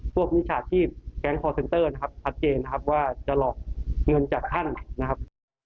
มิจฉาชีพแก๊งคอร์เซ็นเตอร์นะครับชัดเจนนะครับว่าจะหลอกเงินจากท่านนะครับ